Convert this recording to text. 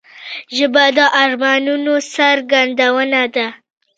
ژبه د ارمانونو څرګندونه ده